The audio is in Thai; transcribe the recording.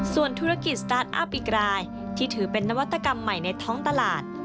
ส่วนธุรกิจสตาร์ทอัพอีกรายที่ถือเป็นนวัตกรรมใหม่ในท้องตลาด